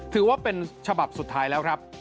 ถือว่าเป็นฉบับสุดท้ายแล้วครับ